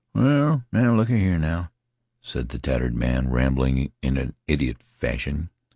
"Well, now look a here now," said the tattered man, rambling on in idiot fashion.